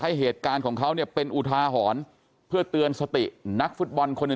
เหตุการณ์ของเขาเนี่ยเป็นอุทาหรณ์เพื่อเตือนสตินักฟุตบอลคนหนึ่ง